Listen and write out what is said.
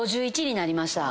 ５１になりました。